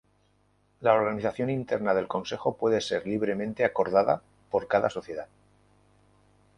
La organización interna del consejo puede ser libremente acordada por cada sociedad.